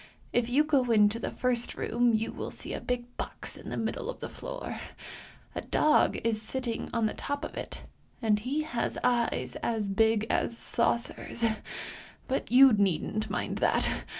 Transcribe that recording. If you go into the first room you will see a big box in the middle of the floor. A dog is sitting on the top of it, and he has eyes as big as saucers, but you needn't mind that.